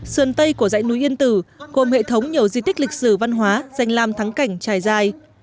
sơn tây của dãy núi yên tử gồm hệ thống nhiều di tích lịch sử văn hóa danh làm thắng cảnh trải dài